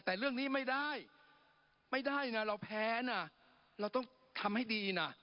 แต่เรื่องนี้ไม่ได้ไม่ได้นะเราแพ้นะเราต้องทำให้ดีนะ